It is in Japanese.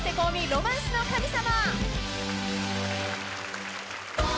『ロマンスの神様』］